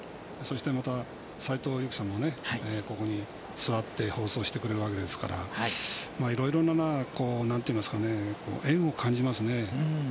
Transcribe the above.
また斎藤佑樹さんもここに座って放送してくれるわけですから、いろいろな縁を感じますね。